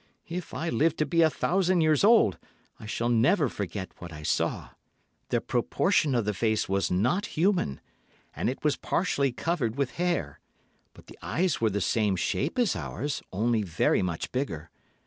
If I live to be a thousand years old I shall never forget what I saw. The proportion of the face was not human, and it was partially covered with hair, but the eyes were the same shape as ours, only very much bigger.